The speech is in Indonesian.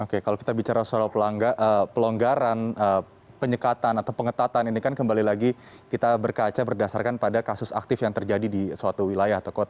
oke kalau kita bicara soal pelonggaran penyekatan atau pengetatan ini kan kembali lagi kita berkaca berdasarkan pada kasus aktif yang terjadi di suatu wilayah